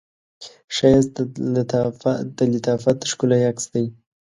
ښایست د لطافت ښکلی عکس دی